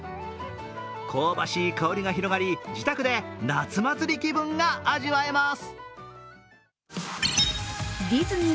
香ばしい香りが広がり、自宅で夏祭り気分が味わえます。